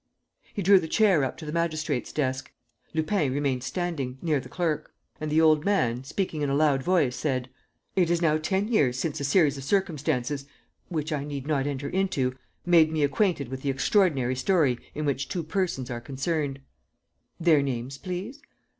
He drew the chair up to the magistrate's desk, Lupin remained standing, near the clerk. And the old man, speaking in a loud voice, said: "It is now ten years since a series of circumstances, which I need not enter into, made me acquainted with an extraordinary story in which two persons are concerned." "Their names, please."